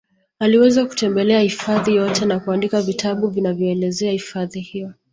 Aliweza kutembelea hifadhi hiyo na kuandika vitabu vinavyoelezea hifadhi hiyo